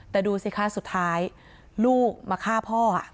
แต่ดูสิคะสุดท้ายลูกมาฆ่าพ่อ